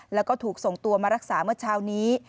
แล้วก็ถูกส่งตัวมารักษาเมื่อเช้านี้